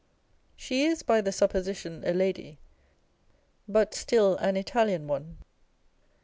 She is by the supposition a lady, but still an Italian one.